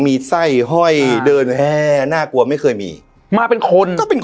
มีไส้ห้อยเดินแห้น่ากลัวไม่เคยมีมาเป็นคนก็เป็นคน